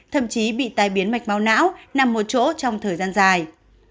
thậm chí bị tai biến mạch máu não nằm một chỗ trong thời gian dài